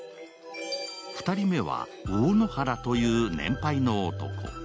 ２人目は、大野原という年配の男。